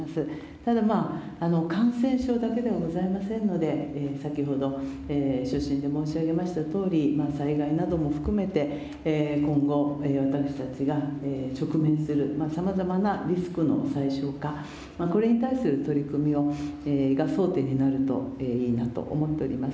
ただまあ、感染症だけではございませんので、先ほど所信で申し上げましたとおり、災害なども含めて、今後、私たちが直面するさまざまなリスクの最小化、これに対する取り組みを、争点になるといいなというふうに思っております。